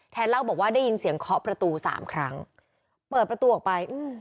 เล่าบอกว่าได้ยินเสียงเคาะประตูสามครั้งเปิดประตูออกไปอืม